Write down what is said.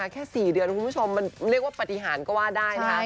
แค่๔เดือนคุณผู้ชมมันเรียกว่าปฏิหารก็ว่าได้นะคะ